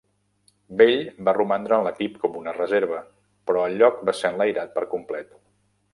Bell va romandre en l'equip com una reserva, però el lloc va ser enlairat per complet.